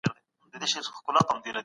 څوک غواړي استازی په بشپړ ډول کنټرول کړي؟